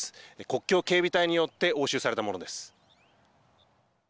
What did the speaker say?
国境警備隊によって押収されたものです。